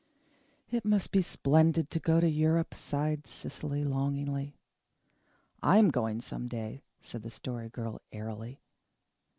"It must be splendid to go to Europe," sighed Cecily longingly. "I am going some day," said the Story Girl airily.